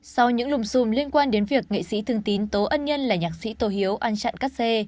sau những lùm xùm liên quan đến việc nghệ sĩ thường tín tố ân nhân là nhạc sĩ tô hiếu ăn chặn các xe